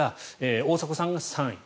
大迫さんが３位。